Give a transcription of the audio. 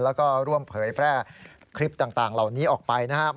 แล้วก็ร่วมเผยแพร่คลิปต่างเหล่านี้ออกไปนะครับ